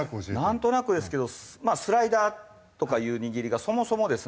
なんとなくですけどスライダーとかいう握りがそもそもですね